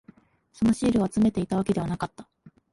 そのシールを集めていたわけではなかった。